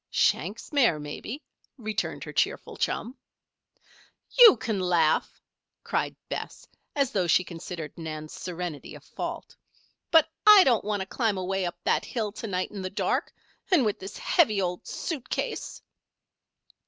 "Shank's mare, maybe," returned her cheerful chum. "You can laugh!" cried Bess, as though she considered Nan's serenity a fault. "But I don't want to climb away up that hill to night in the dark, and with this heavy old suit case."